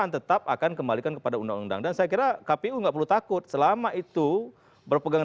tetap akan kembalikan kepada undang undang dan saya kira kpu nggak perlu takut selama itu berpegang